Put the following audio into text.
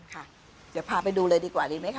ค่ะเดี๋ยวพาไปดูเลยดีกว่าดีไหมคะ